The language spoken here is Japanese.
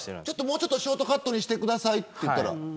もうちょっとショートカットにしてくださいといったら。